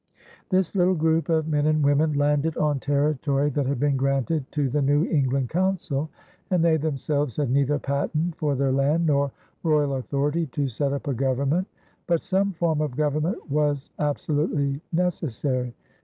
This little group of men and women landed on territory that had been granted to the New England Council and they themselves had neither patent for their land nor royal authority to set up a government. But some form of government was absolutely necessary.